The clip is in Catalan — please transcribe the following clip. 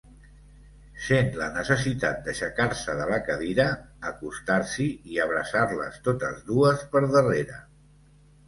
Sent la necessitat d'aixecar-se de la cadira, acostar-s'hi i abraçar-les totes dues per darrere.